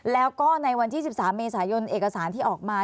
แล้วก็ในวันที่๑๓เมษายนเอกสารที่ออกมา